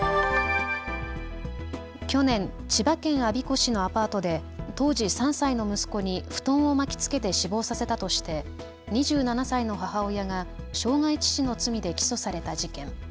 去年、千葉県我孫子市のアパートで当時、３歳の息子に布団を巻きつけて死亡させたとして２７歳の母親が傷害致死の罪で起訴された事件。